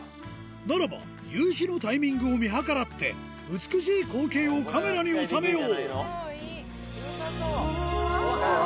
ならば、夕日のタイミングを見計らって、美しい光景をカメラに収めよう。